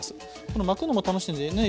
この巻くのも楽しいんでね